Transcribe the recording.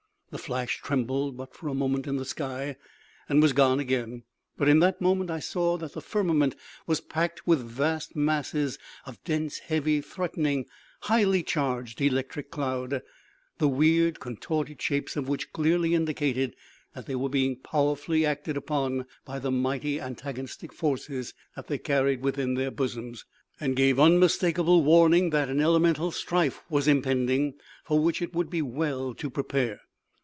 The flash trembled but for a moment in the sky, and was gone again; but in that moment I saw that the firmament was packed with vast masses of dense, heavy, threatening, highly, charged electric cloud, the weird, contorted shapes of which clearly indicated that they were being powerfully acted upon by the mighty antagonistic forces that they carried within their bosoms, and gave unmistakable warning that an elemental strife was impending, for which it would be well to prepare.